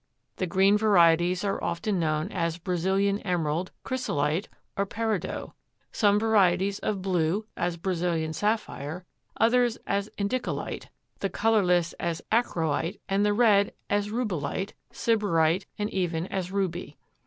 The green varieties are often known as Brazilian Emerald, Chrysolite or Peridot, some varieties of blue as Brazilian Sapphire, others as Indicolite, the colorless as Achroite, and the red as Rubellite, Siberite, and even as Ruby.